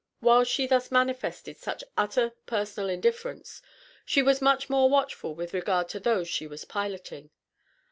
While she thus manifested such utter personal indifference, she was much more watchful with regard to those she was piloting.